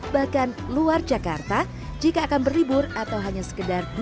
bahkan luar jakarta jika akan berlibur atau hanya sekedar duduk